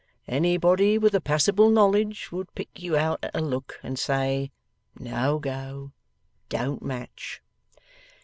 Anybody with a passable knowledge would pick you out at a look, and say, "No go! Don't match!"